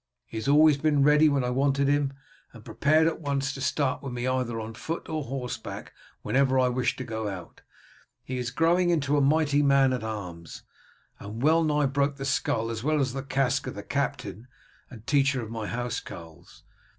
He has always been ready when I wanted him, and prepared at once to start with me either on foot or horseback whenever I wished to go out. He is growing into a mighty man at arms, and well nigh broke the skull as well as the casque of the captain and teacher of my house carls.